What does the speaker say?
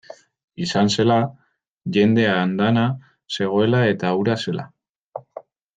Izan zela, jende andana zegoela eta hura zela.